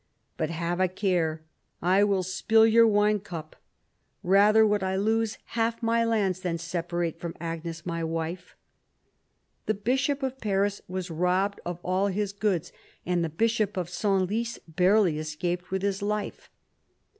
But have a care, I will spill your wine cup. Rather would I lose half my lands than separate from Agnes my wife." The bishop of Paris was robbed of all his goods, and the bishop of Senlis barely escaped with his life.